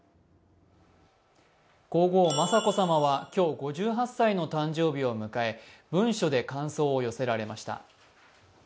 皇后・雅子さまは今日５８歳の誕生日を迎え、文書で感想を寄せられました。